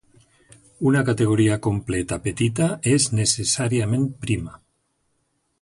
Una categoria completa petita és necessàriament prima.